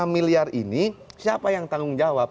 dua puluh enam miliar ini siapa yang tanggung jawab